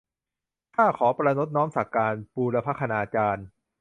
ข้าขอประณตน้อมสักการ บูรพคณาจารย์